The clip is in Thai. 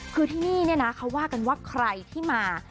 คือที่นี่เนี่ยนะเขาว่ากันว่าใครที่มา